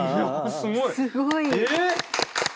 すごい！